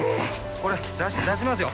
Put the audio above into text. これ出しますよ。